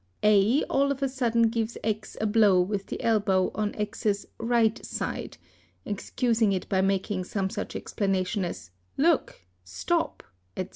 A all of a sudden gives X a blow with the elbow on X's right side, excusing it by making some such explanation as " Look' "Stop", etc.